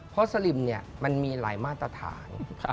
เพราะสลิมเนี่ยมันมีหลายมาตรฐาน